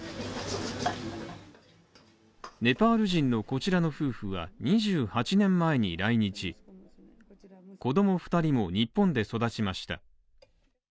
ネパール人のこちらの夫婦は、２８年前に来日こちらの子供２人も日本で育ちました。